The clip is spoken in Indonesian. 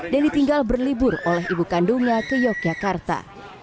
dan ditinggal berlibur oleh ibu kandungnya ke yogyakarta